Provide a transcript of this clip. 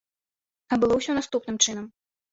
А было ўсё наступным чынам.